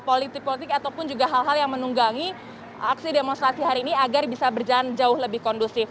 politik politik ataupun juga hal hal yang menunggangi aksi demonstrasi hari ini agar bisa berjalan jauh lebih kondusif